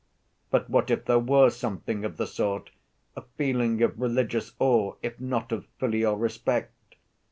But what if there were something of the sort, a feeling of religious awe, if not of filial respect?